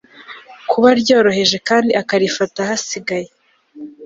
kuba ryoroheje kandi akarifata hasigaye